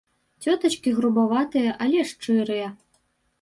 Цётачкі грубаватыя, але шчырыя.